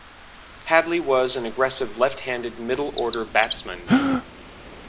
Hadlee was an aggressive left-handed middle-order batsman.